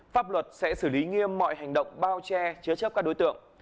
pháp luật sẽ xử lý nghiêm mọi hành động bao che chứa chấp các đối tượng